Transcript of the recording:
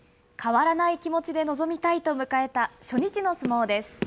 変わらない気持ちで臨みたいと迎えた初日の相撲です。